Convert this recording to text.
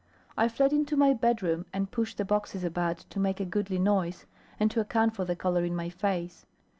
I fled into my bedroom, and pushed the boxes about, to make a goodly noise, and to account for the colour in my face.